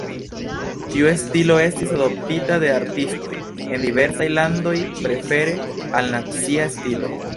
Tiu stilo estis adoptita de artistoj en diversaj landoj, prefere al "nacia" stilo.